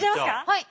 はい。